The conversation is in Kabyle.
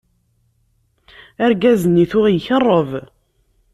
Argaz-nni tuɣ ikeṛṛeb.